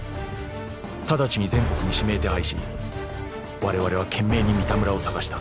［直ちに全国に指名手配しわれわれは懸命に三田村を捜した］